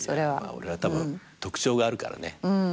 俺はたぶん特徴があるからね。